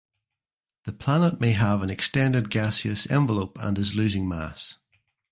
The planet may have an extended gaseous envelope and is losing mass.